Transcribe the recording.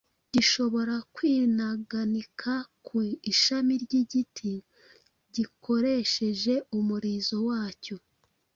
gishobora kwinaganika ku ishami ry’igiti gikoresheje umurizo wacyo.